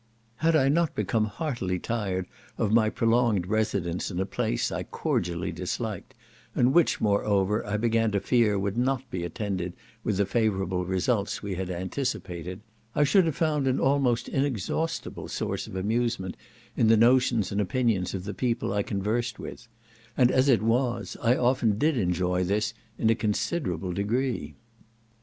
Had I not become heartily tired of my prolonged residence in a place I cordially disliked, and which moreover I began to fear would not be attended with the favourable results we had anticipated, I should have found an almost inexhaustible source of amusement in the notions and opinions of the people I conversed with; and as it was, I often did enjoy this in a considerable degree.